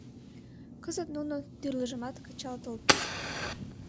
Кызыт нуно тӱрлыжымат кычалтылыт...